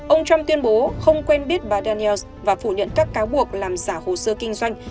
ông trump tuyên bố không quen biết bà dannels và phủ nhận các cáo buộc làm giả hồ sơ kinh doanh